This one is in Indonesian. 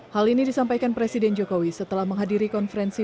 hal ini disampaikan presiden jokowi setelah menghadiri konferensi